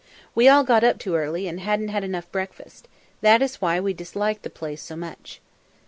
We all got up too early and hadn't had enough breakfast that is why we disliked the place so much."